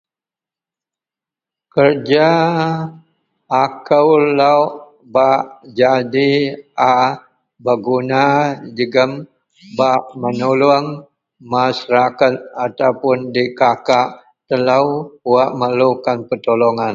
Akou lok jadi a beguna jegem bak menuluong maseraket ataupuun adikakak telou wak memerlukan pertolongan.